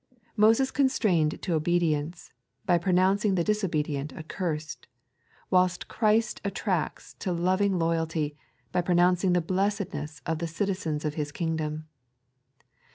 Moses constrained to obedi ence, by pronouncing the disobedient accursed; whilst Ghritit attracts to loving loyalty, by pronouncing the blessedness of the citisens of His Kingdom.